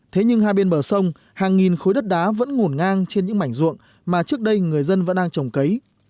thế nhưng hai bên bờ sông hàng nghìn khối đất đá vẫn ngổn ngang trên những mảnh ruộng mà trước đây người dân vẫn đang trồng cấy